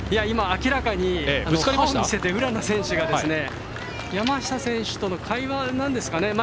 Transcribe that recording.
明らかに歯を見せて浦野選手が、山下選手との会話なんですかね。